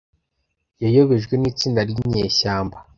Yayobejwe nitsinda ryinyeshyamba.